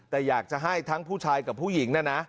แต่อยากจะให้ทั้งผู้ชายกับผู้หญิงนะนะ